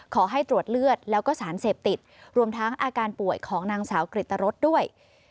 ขอให้ตรวจเลือดแล้วก็สารเสพติดรวมทั้งอาการป่วยของนางสาวกริตรสด้วย